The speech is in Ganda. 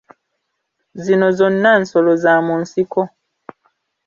Zino zonna nsolo za mu nsiko.